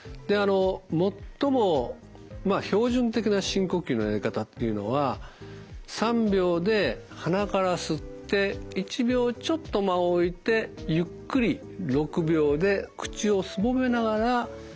最も標準的な深呼吸のやり方っていうのは３秒で鼻から吸って１秒ちょっと間を置いてゆっくり６秒で口をすぼめながら吐いてください。